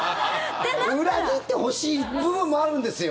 裏切ってほしい部分もあるんですよ。